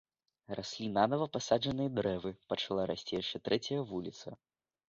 Раслі нанава пасаджаныя дрэвы, пачала расці яшчэ трэцяя вуліца.